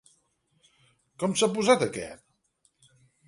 Com s'ha posat aquest?